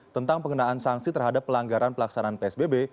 tentang pengenaan sanksi terhadap pelanggaran pelaksanaan psbb